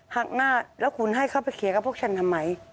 หักหน้าแล้วคุณให้เขาไปเคลียร์กับพวกฉันทำไม